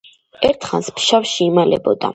ერთხანს ფშავში იმალებოდა.